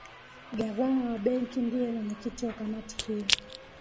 gavana wa benki ndiye mwenyekiti wa kamati hiyo